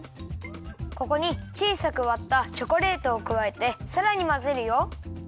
ここにちいさくわったチョコレートをくわえてさらにまぜるよ。